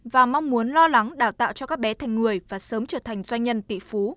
và mong muốn lo lắng đào tạo cho các bé thành người và sớm trở thành doanh nhân tỷ phú